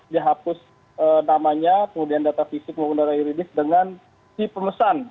dihapus namanya kemudian data fisik maupun data yuridis dengan si pemesan